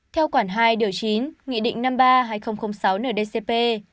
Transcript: theo khoản hai điều chín nghị định năm mươi ba hai nghìn sáu ndcp